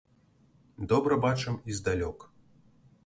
Добра бачым і здалёк.